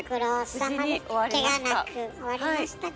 ケガなく終わりましたか。